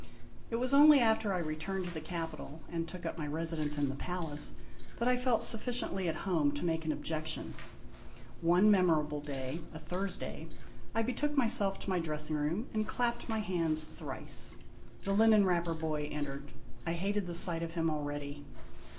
It was only after I returned to the capital and took up my residence in the palace, that I felt sufficiently at home to make an objection. One memorable day, a Thursday, I betook myself to my dress ing room and clapped my hands thrice. The linen wrapper boy entered. I hated the sight of him already.